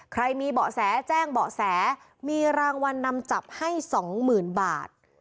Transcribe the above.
ใครมีเบาะแสแจ้งเบาะแสมีรางวัลนำจับให้๒๐๐๐บาท